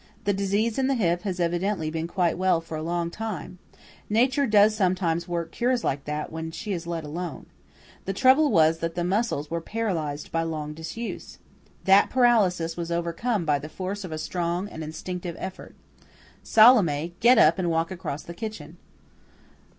The disease in the hip has evidently been quite well for a long time; Nature does sometimes work cures like that when she is let alone. The trouble was that the muscles were paralyzed by long disuse. That paralysis was overcome by the force of a strong and instinctive effort. Salome, get up and walk across the kitchen."